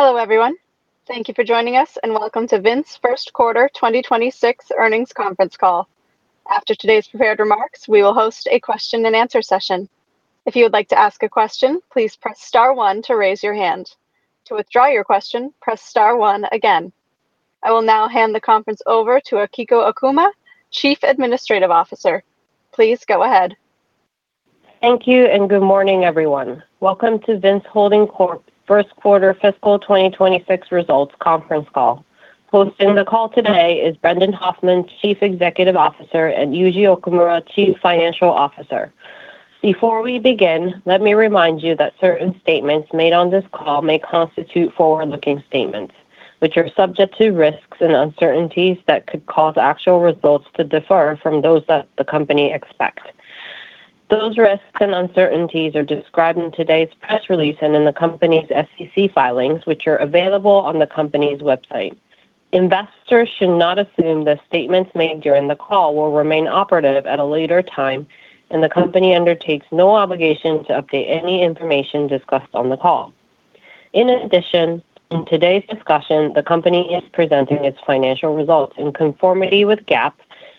Hello, everyone. Thank you for joining us, and welcome to Vince's first quarter 2026 earnings conference call. After today's prepared remarks, we will host a question and answer session. If you would like to ask a question, please press Star one to raise your hand. To withdraw your question, press Star one again. I will now hand the conference over to Akiko Okuma, Chief Administrative Officer. Please go ahead. Thank you, and good morning, everyone. Welcome to Vince Holding Corp's first-quarter fiscal 2026 results conference call. Hosting the call today is Brendan Hoffman, Chief Executive Officer, and Yuji Okumura, Chief Financial Officer. Before we begin, let me remind you that certain statements made on this call may constitute forward-looking statements, which are subject to risks and uncertainties that could cause actual results to differ from those that the company expects. Those risks and uncertainties are described in today's press release and in the company's SEC filings, which are available on the company's website. In addition, in today's discussion, the company is presenting its financial results in conformity with GAAP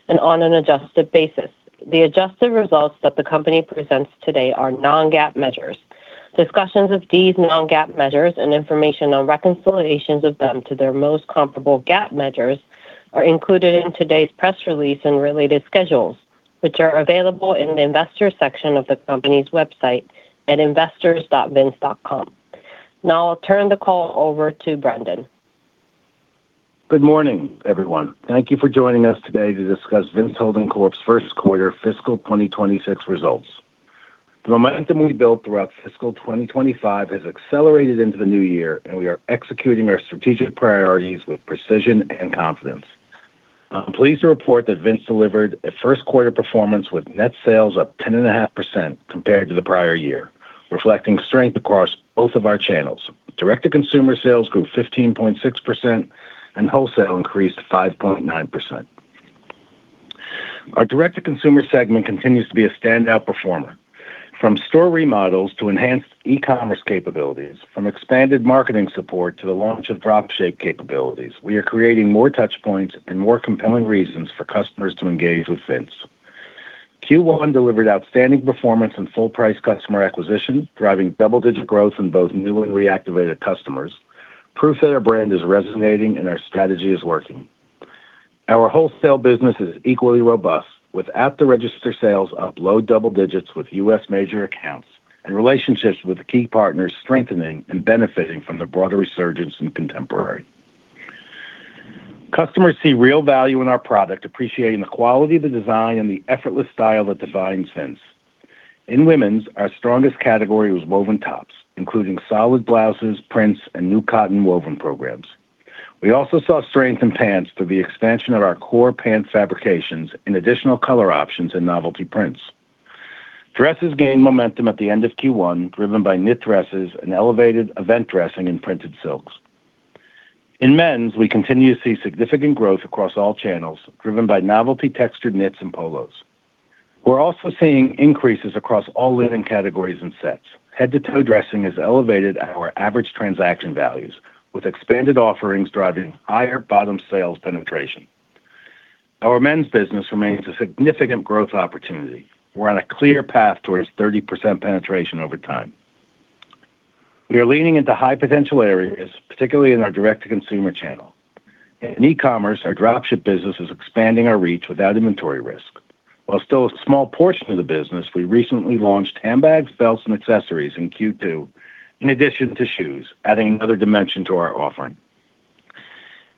and on an adjusted basis. The adjusted results that the company presents today are non-GAAP measures. Discussions of these non-GAAP measures and information on reconciliations of them to their most comparable GAAP measures are included in today's press release and related schedules, which are available in the Investors section of the company's website at investors.vince.com. Now I'll turn the call over to Brendan. Good morning, everyone. Thank you for joining us today to discuss Vince Holding Corp's first quarter fiscal 2026 results. The momentum we built throughout fiscal 2025 has accelerated into the new year, and we are executing our strategic priorities with precision and confidence. I'm pleased to report that Vince delivered a first-quarter performance with net sales up 10.5% compared to the prior year, reflecting strength across both of our channels. Direct-to-consumer sales grew 15.6%, and wholesale increased 5.9%. Our direct-to-consumer segment continues to be a standout performer. From store remodels to enhanced e-commerce capabilities, from expanded marketing support to the launch of drop ship capabilities, we are creating more touchpoints and more compelling reasons for customers to engage with Vince. Q1 delivered outstanding performance and full price customer acquisition, driving double-digit growth in both new and reactivated customers, proof that our brand is resonating and our strategy is working. Our wholesale business is equally robust with at-the-register sales up low double digits with U.S. major accounts and relationships with key partners strengthening and benefiting from the broader resurgence in contemporary. Customers see real value in our product, appreciating the quality of the design and the effortless style that defines Vince. In women's, our strongest category was woven tops, including solid blouses, prints, and new cotton woven programs. We also saw strength in pants through the expansion of our core pant fabrications and additional color options and novelty prints. Dresses gained momentum at the end of Q1, driven by knit dresses and elevated event dressing in printed silks. In men's, we continue to see significant growth across all channels, driven by novelty textured knits and polos. We're also seeing increases across all living categories and sets. Head-to-toe dressing has elevated our average transaction values, with expanded offerings driving higher bottom sales penetration. Our men's business remains a significant growth opportunity. We're on a clear path towards 30% penetration over time. We are leaning into high-potential areas, particularly in our direct-to-consumer channel. In e-commerce, our drop ship business is expanding our reach without inventory risk. While still a small portion of the business, we recently launched handbags, belts, and accessories in Q2, in addition to shoes, adding another dimension to our offering.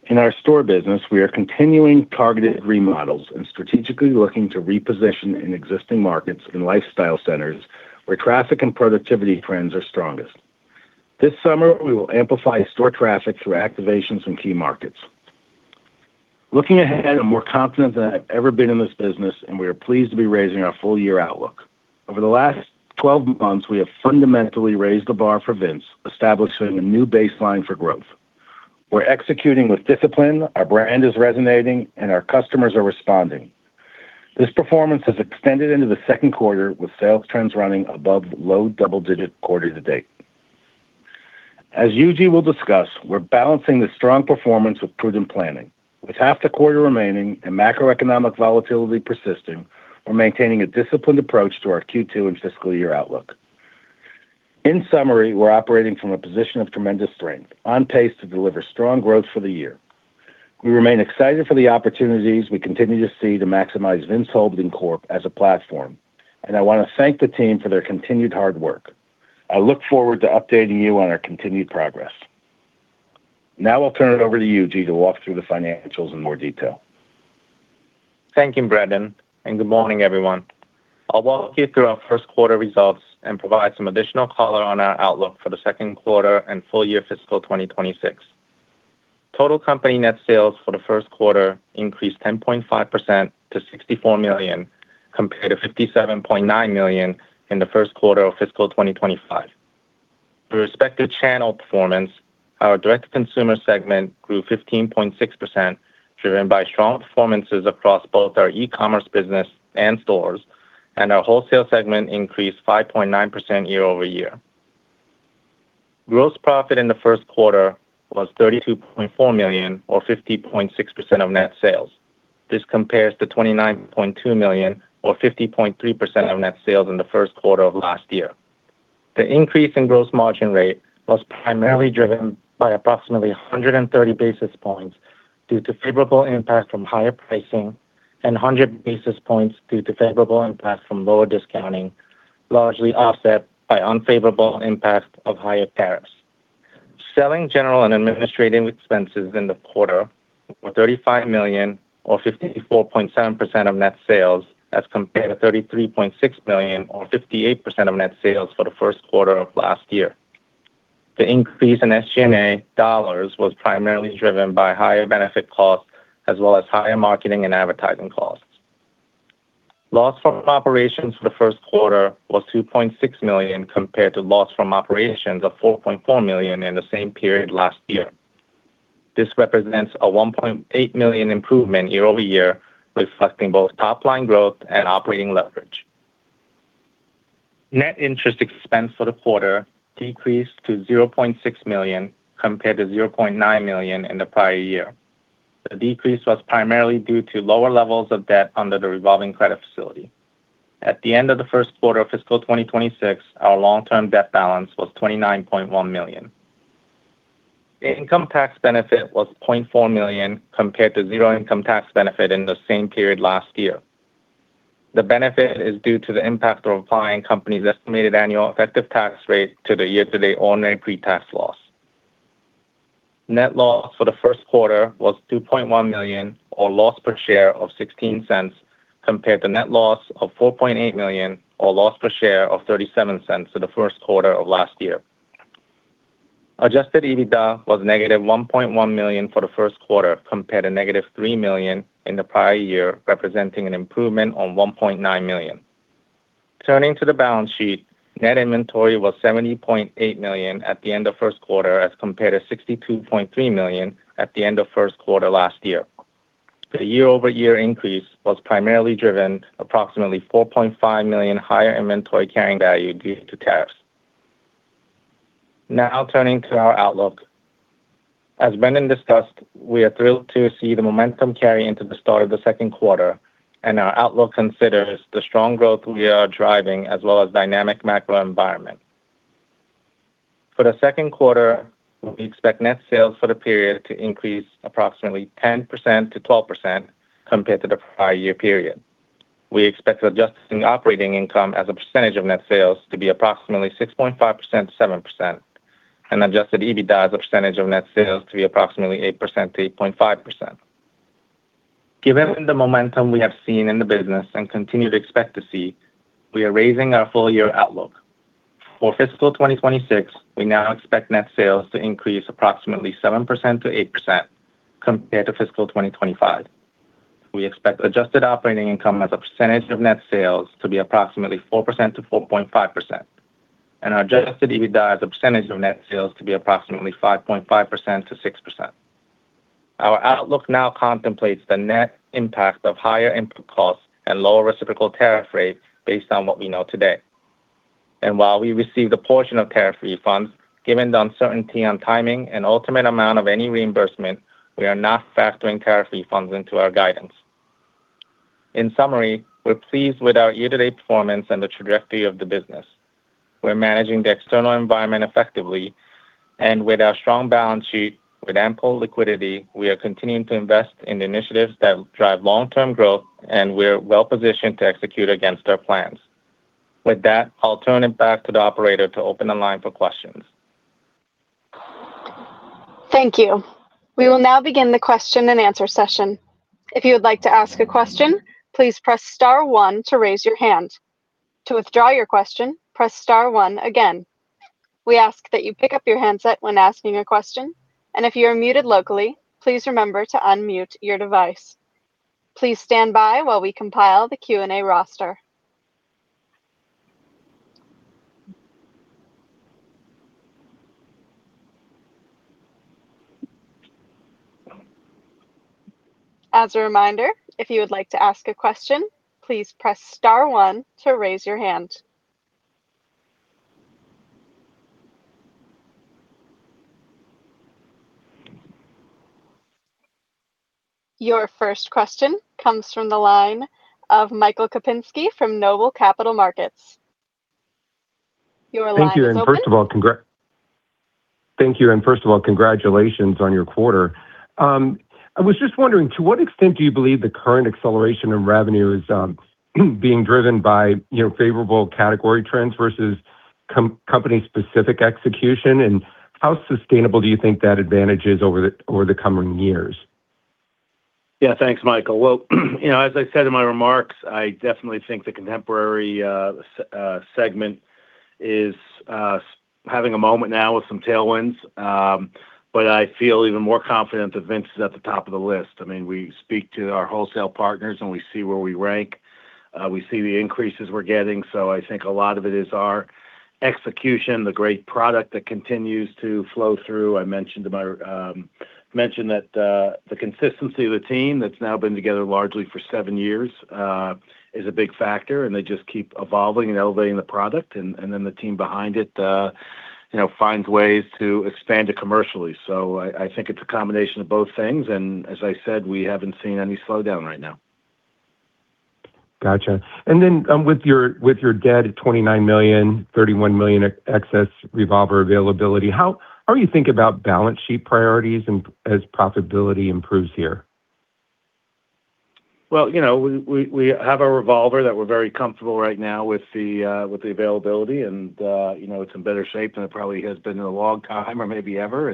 In our store business, we are continuing targeted remodels and strategically looking to reposition in existing markets in lifestyle centers where traffic and productivity trends are strongest. This summer, we will amplify store traffic through activations in key markets. Looking ahead, I'm more confident than I've ever been in this business, and we are pleased to be raising our full-year outlook. Over the last 12 months, we have fundamentally raised the bar for Vince, establishing a new baseline for growth. We're executing with discipline, our brand is resonating, and our customers are responding. This performance has extended into the second quarter, with sales trends running above low double-digit quarter to date. As Yuji will discuss, we're balancing the strong performance with prudent planning. With half the quarter remaining and macroeconomic volatility persisting, we're maintaining a disciplined approach to our Q2 and fiscal year outlook. In summary, we're operating from a position of tremendous strength, on pace to deliver strong growth for the year. We remain excited for the opportunities we continue to see to maximize Vince Holding Corp as a platform, and I want to thank the team for their continued hard work. I look forward to updating you on our continued progress. I'll turn it over to Yuji to walk through the financials in more detail. Thank you, Brendan, and good morning, everyone. I'll walk you through our first quarter results and provide some additional color on our outlook for the second quarter and full year fiscal 2026. Total company net sales for the first quarter increased 10.5% to $64 million, compared to $57.9 million in the first quarter of fiscal 2025. For respective channel performance, our direct-to-consumer segment grew 15.6%, driven by strong performances across both our e-commerce business and stores. Our wholesale segment increased 5.9% year-over-year. Gross profit in the first quarter was $32.4 million or 50.6% of net sales. This compares to $29.2 million or 50.3% of net sales in the first quarter of last year. The increase in gross margin rate was primarily driven by approximately 130 basis points due to favorable impact from higher pricing and 100 basis points due to favorable impact from lower discounting, largely offset by unfavorable impact of higher tariffs. Selling, general, and administrative expenses in the quarter were $35 million or 54.7% of net sales as compared to $33.6 million or 58% of net sales for the first quarter of last year. The increase in SG&A dollars was primarily driven by higher benefit costs as well as higher marketing and advertising costs. Loss from operations for the first quarter was $2.6 million compared to loss from operations of $4.4 million in the same period last year. This represents a $1.8 million improvement year-over-year, reflecting both top-line growth and operating leverage. Net interest expense for the quarter decreased to $0.6 million compared to $0.9 million in the prior year. The decrease was primarily due to lower levels of debt under the revolving credit facility. At the end of the first quarter of fiscal 2026, our long-term debt balance was $29.1 million. The income tax benefit was $0.4 million compared to zero income tax benefit in the same period last year. The benefit is due to the impact of applying company's estimated annual effective tax rate to the year-to-date ordinary pre-tax loss. Net loss for the first quarter was $2.1 million or loss per share of $0.16 compared to net loss of $4.8 million or loss per share of $0.37 for the first quarter of last year. Adjusted EBITDA was negative $1.1 million for the first quarter compared to negative $3 million in the prior year, representing an improvement on $1.9 million. Turning to the balance sheet, net inventory was $70.8 million at the end of first quarter as compared to $62.3 million at the end of first quarter last year. The year-over-year increase was primarily driven approximately $4.5 million higher inventory carrying value due to tariffs. Turning to our outlook. As Brendan discussed, we are thrilled to see the momentum carry into the start of the second quarter our outlook considers the strong growth we are driving as well as dynamic macro environment. For the second quarter, we expect net sales for the period to increase approximately 10%-12% compared to the prior year period. We expect adjusted operating income as a percentage of net sales to be approximately 6.5%, 7%, and adjusted EBITDA as a percentage of net sales to be approximately 8%, 8.5%. Given the momentum we have seen in the business and continue to expect to see, we are raising our full year outlook. For fiscal 2026, we now expect net sales to increase approximately 7%-8% compared to fiscal 2025. We expect adjusted operating income as a percentage of net sales to be approximately 4%-4.5%, and our adjusted EBITDA as a percentage of net sales to be approximately 5.5%-6%. Our outlook now contemplates the net impact of higher input costs and lower reciprocal tariff rates based on what we know today. While we received a portion of tariff refunds, given the uncertainty on timing and ultimate amount of any reimbursement, we are not factoring tariff refunds into our guidance. In summary, we're pleased with our year-to-date performance and the trajectory of the business. We're managing the external environment effectively, and with our strong balance sheet with ample liquidity, we are continuing to invest in initiatives that drive long-term growth, and we're well positioned to execute against our plans. With that, I'll turn it back to the operator to open the line for questions. Thank you. We will now begin the question and answer session. If you would like to ask a question, please press Star one to raise your hand. To withdraw your question, press Star one again. We ask that you pick up your handset when asking a question, and if you are muted locally, please remember to unmute your device. Please stand by while we compile the Q&A roster. As a reminder, if you would like to ask a question, please press Star one to raise your hand. Your first question comes from the line of Michael Kupinski from Noble Capital Markets. Your line is open. Thank you. First of all, congratulations on your quarter. I was just wondering, to what extent do you believe the current acceleration in revenue is being driven by favorable category trends versus company specific execution? How sustainable do you think that advantage is over the coming years? Yeah. Thanks, Michael. Well, as I said in my remarks, I definitely think the contemporary segment is having a moment now with some tailwinds. I feel even more confident that Vince is at the top of the list. We speak to our wholesale partners, and we see where we rank. We see the increases we're getting, so I think a lot of it is our execution, the great product that continues to flow through. I mentioned that the consistency of the team that's now been together largely for seven years is a big factor, and they just keep evolving and elevating the product. The team behind it finds ways to expand it commercially. I think it's a combination of both things, and as I said, we haven't seen any slowdown right now. Got you. With your debt at $29 million, $31 million excess revolver availability, how are you thinking about balance sheet priorities and as profitability improves here? Well, we have a revolver that we're very comfortable right now with the availability and it's in better shape than it probably has been in a long time or maybe ever.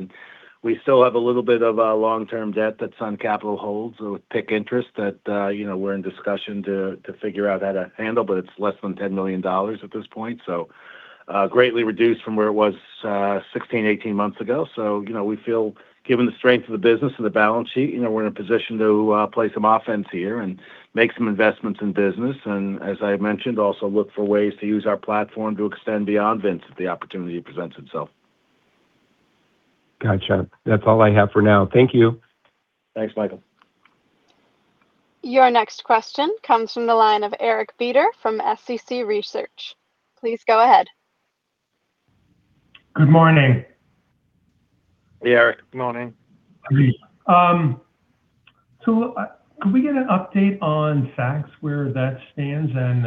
We still have a little bit of a long-term debt that Sun Capital holds with PIK interest that we're in discussion to figure out how to handle, but it's less than $10 million at this point, so greatly reduced from where it was 16, 18 months ago. We feel given the strength of the business and the balance sheet, we're in a position to play some offense here and make some investments in business. As I mentioned, also look for ways to use our platform to extend beyond Vince if the opportunity presents itself. Got you. That's all I have for now. Thank you. Thanks, Michael. Your next question comes from the line of Eric Beder from SCC Research. Please go ahead. Good morning. Hey, Eric. Good morning. Could we get an update on Saks, where that stands, and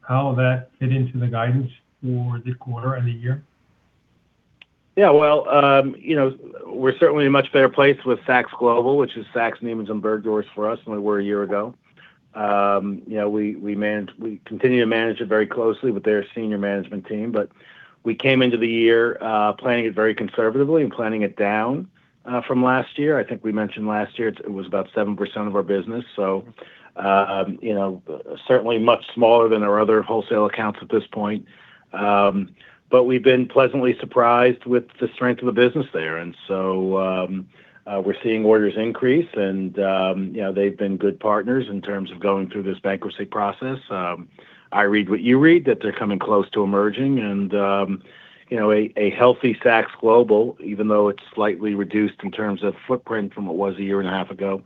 how that fit into the guidance for this quarter and the year? Well, we're certainly in a much better place with Saks Global, which is Saks, Neiman Marcus and Bergdorf's for us than we were a year ago. We continue to manage it very closely with their senior management team. We came into the year planning it very conservatively and planning it down from last year. I think we mentioned last year it was about 7% of our business. Certainly much smaller than our other wholesale accounts at this point. We've been pleasantly surprised with the strength of the business there. We're seeing orders increase and they've been good partners in terms of going through this bankruptcy process. I read what you read that they're coming close to emerging, a healthy Saks Global, even though it's slightly reduced in terms of footprint from what it was a year and a half ago,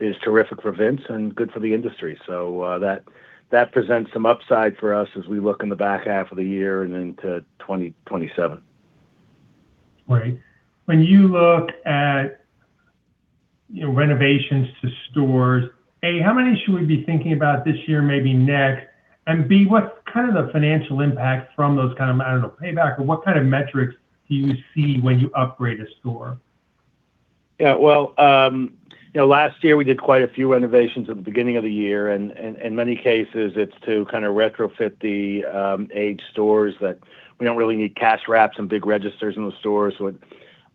is terrific for Vince and good for the industry. That presents some upside for us as we look in the back half of the year and into 2027. When you look at your renovations to stores, A, how many should we be thinking about this year, maybe next? B, what's the financial impact from those kind of, I don't know, payback, or what kind of metrics do you see when you upgrade a store? Yeah. Last year we did quite a few renovations at the beginning of the year, in many cases it's to kind of retrofit the aged stores that we don't really need cash wraps and big registers in the stores. It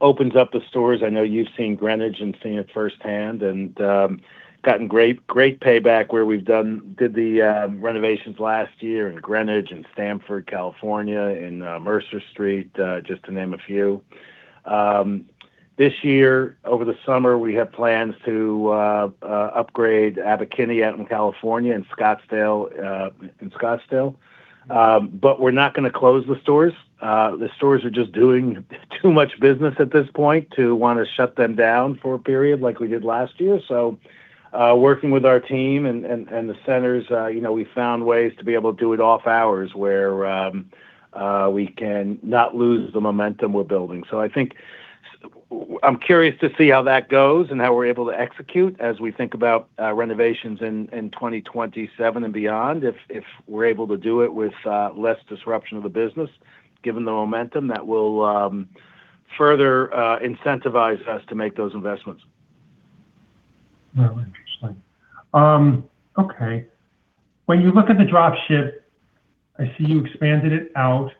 opens up the stores. I know you've seen Greenwich and seen it firsthand and gotten great payback where we did the renovations last year in Greenwich and Stanford, California, and Mercer Street, just to name a few. This year over the summer, we have plans to upgrade Abbot Kinney out in California and Scottsdale. We're not going to close the stores. The stores are just doing too much business at this point to want to shut them down for a period like we did last year. Working with our team and the centers, we've found ways to be able to do it off hours where we can not lose the momentum we're building. I think I'm curious to see how that goes and how we're able to execute as we think about renovations in 2027 and beyond, if we're able to do it with less disruption of the business, given the momentum, that will further incentivize us to make those investments. Oh, interesting. Okay. When you look at the drop ship, I see you expanded it out.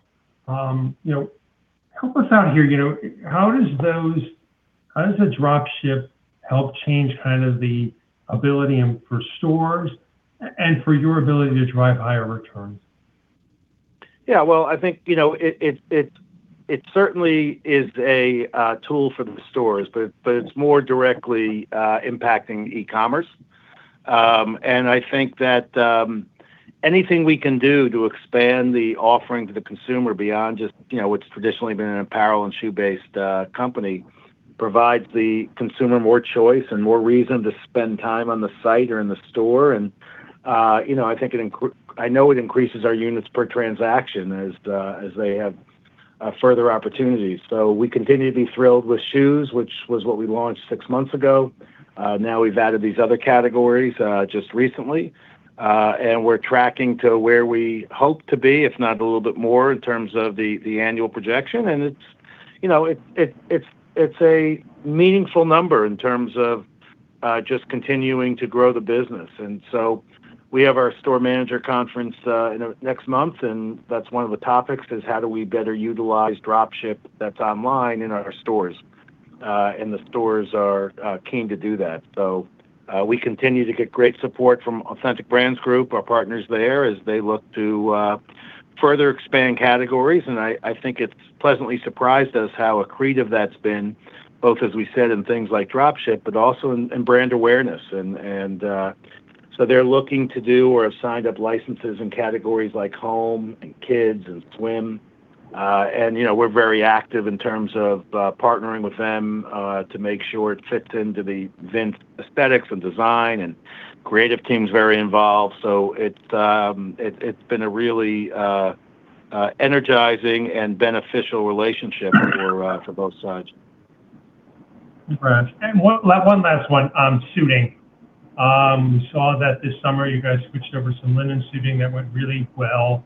Help us out here. How does the drop ship help change the ability for stores and for your ability to drive higher returns? Well, I think it certainly is a tool for the stores, but it's more directly impacting e-commerce. I think that anything we can do to expand the offering to the consumer beyond just what's traditionally been an apparel and shoe-based company provides the consumer more choice and more reason to spend time on the site or in the store. I know it increases our units per transaction as they have further opportunities. So we continue to be thrilled with shoes, which was what we launched six months ago. Now we've added these other categories just recently. We're tracking to where we hope to be, if not a little bit more in terms of the annual projection. It's a meaningful number in terms of just continuing to grow the business. We have our store manager conference next month, and that's one of the topics is how do we better utilize drop ship that's online in our stores. The stores are keen to do that. So, we continue to get great support from Authentic Brands Group, our partners there as they look to further expand categories. I think it's pleasantly surprised us how accretive that's been, both, as we said, in things like drop ship, but also in brand awareness. They're looking to do or have signed up licenses in categories like home and kids and swim. We're very active in terms of partnering with them to make sure it fits into the Vince aesthetics and design, and creative team's very involved. It's been a really energizing and beneficial relationship for both sides. Great. One last one on suiting. We saw that this summer you guys switched over some linen suiting that went really well.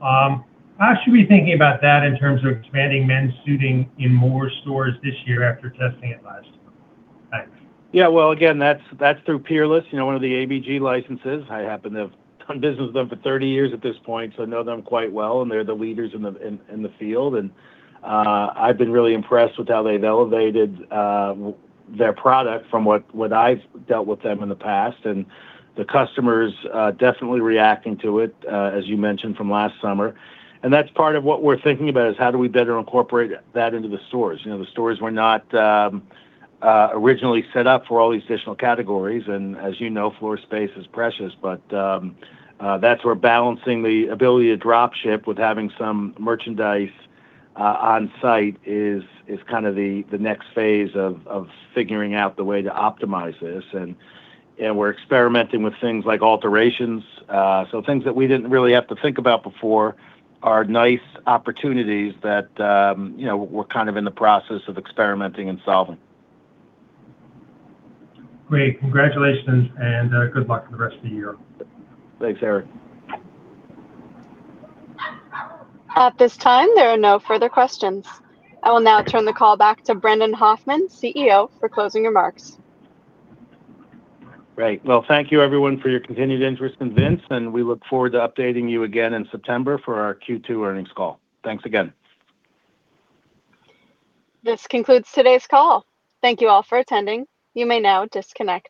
How should we be thinking about that in terms of expanding men's suiting in more stores this year after testing it last year? Thanks. Well, again, that's through Peerless, one of the ABG licenses. I happen to have done business with them for 30 years at this point, so I know them quite well, and they're the leaders in the field. I've been really impressed with how they've elevated their product from what I've dealt with them in the past. The customer's definitely reacting to it, as you mentioned from last summer. That's part of what we're thinking about, is how do we better incorporate that into the stores? The stores were not originally set up for all these additional categories, and as you know, floor space is precious, but that's where balancing the ability to drop ship with having some merchandise on-site is kind of the next phase of figuring out the way to optimize this. We're experimenting with things like alterations. Things that we didn't really have to think about before are nice opportunities that we're kind of in the process of experimenting and solving. Great. Congratulations, and good luck for the rest of the year. Thanks, Eric. At this time, there are no further questions. I will now turn the call back to Brendan Hoffman, CEO, for closing remarks. Great. Well, thank you everyone for your continued interest in Vince. We look forward to updating you again in September for our Q2 earnings call. Thanks again. This concludes today's call. Thank you all for attending. You may now disconnect.